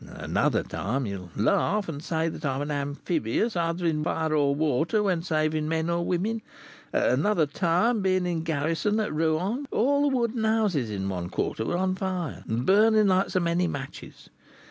At another time, you will laugh, and say I am amphibious either in fire or water when saving men or women, at another time, being in garrison at Rouen, all the wooden houses in one quarter were on fire, and burning like so many matches.